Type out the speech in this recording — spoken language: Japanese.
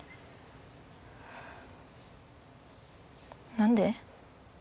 何で？